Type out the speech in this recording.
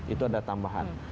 itu ada tambahan